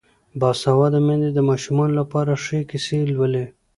باسواده میندې د ماشومانو لپاره ښې کیسې لولي.